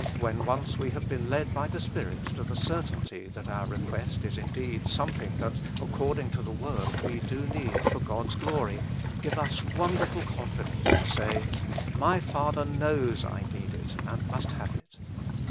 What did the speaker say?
when once we have been led by the Spirit to the cer tainty that our request is indeed something that, according to the Word, we do need for God's glory, give us wonderful confidence to say, My Father knows I need it and must have it.